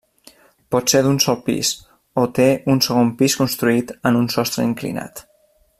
Pot ser d'un sol pis, o té un segon pis construït en un sostre inclinat.